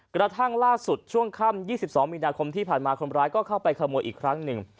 กระทั่งล่าสุดช่วงค่ำ๒๒มีนาคมที่ผ่านมาคนร้ายก็เข้าไปขโมยอีกครั้งหนึ่ง